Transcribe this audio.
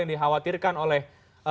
yang dikhawatirkan oleh